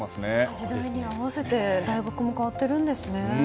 時代に合わせて大学も変わってるんですね。